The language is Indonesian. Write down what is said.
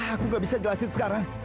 aku gak bisa jelasin sekarang